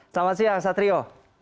selamat siang satrio